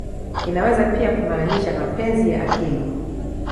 Inaweza pia kumaanisha "mapenzi ya akili.